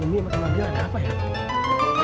umi apa yang terjadi